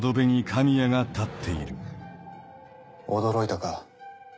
驚いたか？